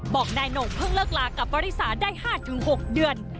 บอกนายโหน่งเพิ่งเลิกลากับวริสาได้๕๖เดือน